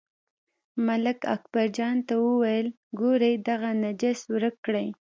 ملک اکبرجان ته وویل، ګورئ دغه نجس ورک کړئ.